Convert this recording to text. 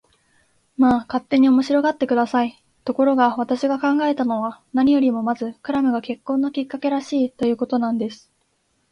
まあ、勝手に面白がって下さい。ところが、私が考えたのは、何よりもまずクラムが結婚のきっかけらしい、ということなんです。